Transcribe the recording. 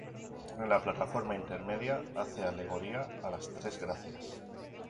En la plataforma intermedia hace alegoría a las tres gracias.